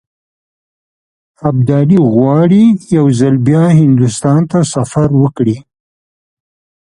ابدالي غواړي یو ځل بیا هندوستان ته سفر وکړي.